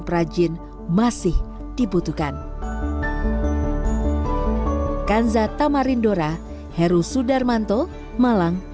perajin masih dibutuhkan kanza tamarindora heru sudarmanto malang